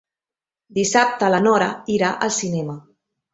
Dissabte na Nora irà al cinema.